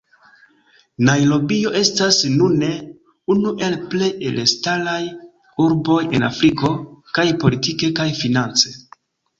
Najrobio estas nune unu el plej elstaraj urboj en Afriko, kaj politike kaj finance.